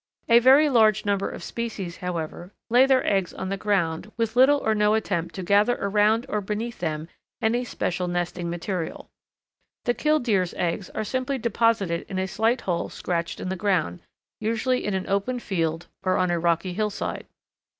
A very large number of species, however, lay their eggs on the ground with little or no attempt to gather around or beneath them any special nesting material. The Killdeer's eggs are simply deposited in a slight hole scratched in the earth, usually in an open field or on a rocky hillside.